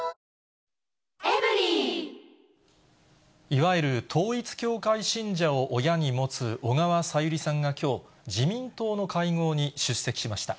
いわゆる統一教会信者を親に持つ小川さゆりさんがきょう、自民党の会合に出席しました。